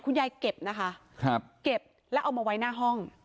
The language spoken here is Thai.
คุณยายเก็บนะคะครับเก็บแล้วเอามาไว้หน้าห้อง